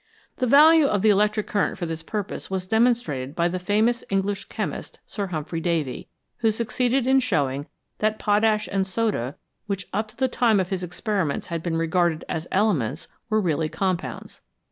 The value of the electric current for this purpose was demonstrated by the famous English chemist, Sir Humphry Davy, who succeeded in showing that potash and soda, which up to the time of his experiments had been regarded as elements, were really compounds.